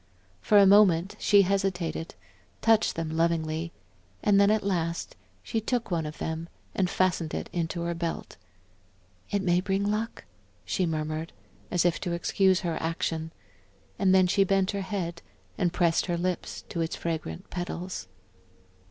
For a moment she hesitated, touched them lovingly, and then at last she took one of them and fastened it in her belt. "It may bring luck," she murmured, as if to excuse her action, and then she bent her head, and pressed her lips to its fragrant petals.